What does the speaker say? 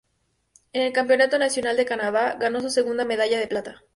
En el campeonato nacional de Canadá ganó su segunda medalla de plata.